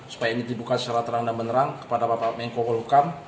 supaya ini dibuka secara terang dan menerang kepada bapak menko polhukam